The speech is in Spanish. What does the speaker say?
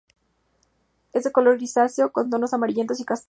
Es de color grisáceo con tonos amarillentos y castaños.